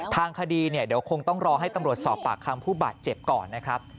ทางคดีเนี่ยเดี๋ยวคงต้องรอให้ตำรวจสอบปากคำผู้บาดเจ็บก่อนนะครับ